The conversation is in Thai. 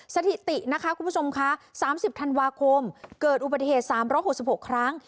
สถิตินะคะคุณผู้ชมคะ๓๐ธันวาคมเกิดอุบัติเหตุ๓๖๖ครั้ง